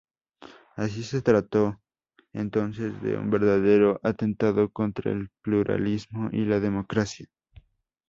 Así, se trató entonces de un verdadero atentado contra el pluralismo y la democracia.